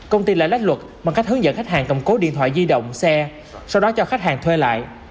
công ty lại lách luật bằng cách hướng dẫn khách hàng cầm cố điện thoại di động xe sau đó cho khách hàng thuê lại